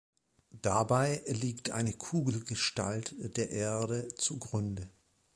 Dabei liegt eine Kugelgestalt der Erde zu Grunde.